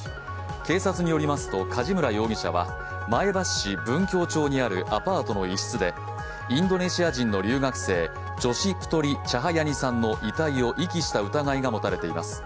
警察によりますと梶村容疑者は前橋市文京町にあるアパートの一室でインドネシア人の留学生、ジョシ・プトゥリ・チャハヤニさんの遺体を遺棄した疑いが持たれています。